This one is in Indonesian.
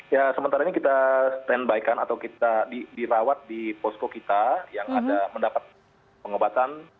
ya sementara ini kita stand by kan atau kita dirawat di posko kita yang ada mendapat pengobatan